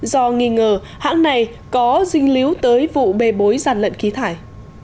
do nghi ngờ hãng này có dinh líu tới vụ bề bối giàn lận ký thải